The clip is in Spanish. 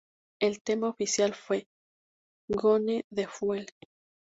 El tema oficial fue ""Gone"" de Fuel.